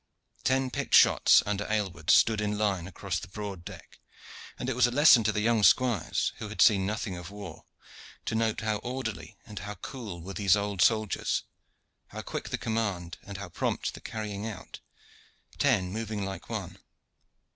Ten picked shots under Aylward stood in line across the broad deck, and it was a lesson to the young squires who had seen nothing of war to note how orderly and how cool were these old soldiers, how quick the command, and how prompt the carrying out, ten moving like one.